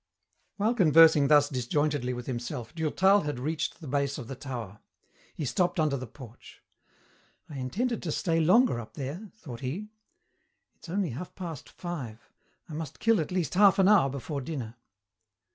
While conversing thus disjointedly with himself Durtal had reached the base of the tower. He stopped under the porch. "I intended to stay longer up there," thought he. "It's only half past five. I must kill at least half an hour before dinner."